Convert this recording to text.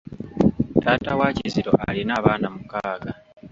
Taata wa Kizito alina abaana mukaaga.